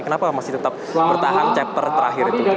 kenapa masih tetap bertahan chapter terakhir itu